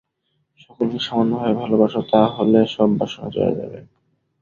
সকলকে সমানভাবে ভালবাসো, তা হলে সব বাসনা চলে যাবে।